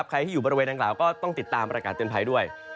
ใครที่อยู่บริเวณด้านข้างก็ต้องติดตามปรากฏเตือนไพรด้วย